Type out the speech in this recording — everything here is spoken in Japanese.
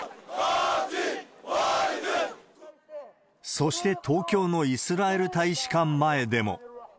そして東京のイスラエル大使館前でも。